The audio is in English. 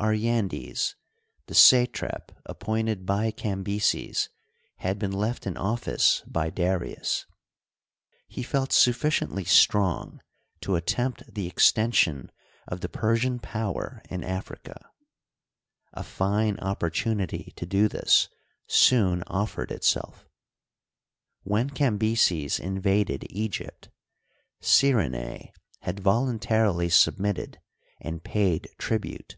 Aryandes, the satrap appointed by Cambyses, had been left in office by Darius. He felt sufficiently strong to attempt the ex tension of the Persian power in Amca. A fine oppor tunity to do this soon offered itself. When Cambyses invaded Egypt, Cyrenae had voluntarily submitted and paid tribute.